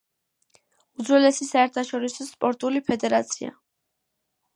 უძველესი საერთაშორისო სპორტული ფედერაცია.